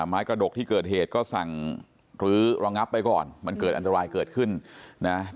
กระดกที่เกิดเหตุก็สั่งรื้อระงับไปก่อนมันเกิดอันตรายเกิดขึ้นนะ